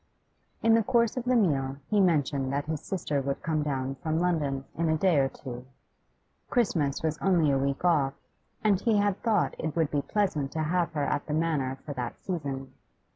In the course of the meal he mentioned that his sister would come down from London in a day or two. Christmas was only a week off, and he had thought it would be pleasant to have her at the Manor for that season.